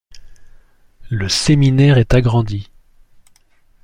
Le séminaire est agrandi.